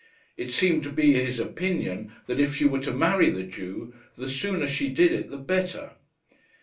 It seemed to be his opinion that if she were to marry the Jew, the sooner she did it the better.